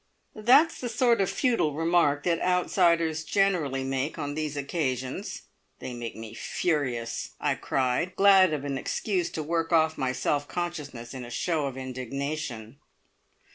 "That's the sort of futile remark that outsiders generally make on these occasions. They make me furious!" I cried, glad of an excuse to work off my self consciousness in a show of indignation.